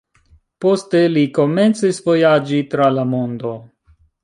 Poste li komencis vojaĝi tra la mondo.